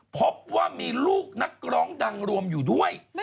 พบว่ามีลูกนักร้องดังรวมอยู่ด้วย